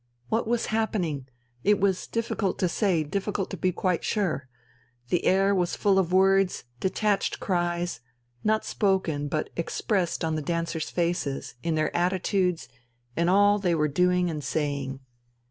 What was happening? It was difficult to say, difficult to be quite sure. The air was full of words, detached cries, not spoken but expressed on the dancers' faces, in their attitudes, in all they were doing and saying.